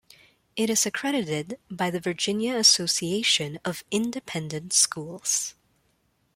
It is accredited by the Virginia Association of Independent Schools.